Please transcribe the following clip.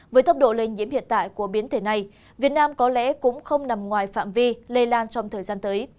với tốc độ lây nhiễm hiện tại của biến thể này việt nam có lẽ cũng không nằm ngoài phạm vi lây lan trong thời gian tới